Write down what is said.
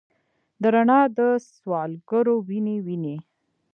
د رڼا د څوسوالګرو، وینې، وینې